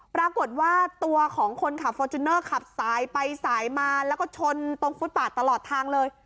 ปรากฏว่าตัวของคนขับฟอร์จูเนอร์ขับสายไปสายมาแล้วก็ชนตรงฟุตปาดตลอดทางเลย